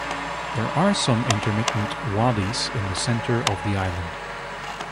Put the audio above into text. There are some intermittent "wadis" in the center of the island.